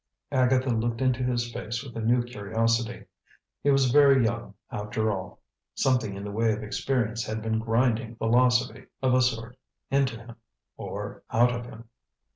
Agatha looked into his face with a new curiosity. He was very young, after all. Something in the way of experience had been grinding philosophy, of a sort, into him or out of him.